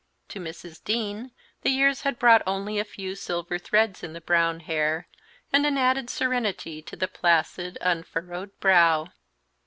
To Mrs. Dean the years had brought only a few silver threads in the brown hair and an added serenity to the placid, unfurrowed brow.